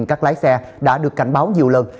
các lái xe đã được cảnh báo nhiều lần